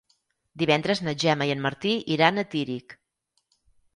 Divendres na Gemma i en Martí iran a Tírig.